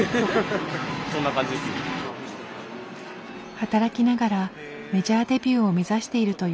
働きながらメジャーデビューを目指しているという彼。